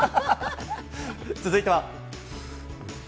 続いては。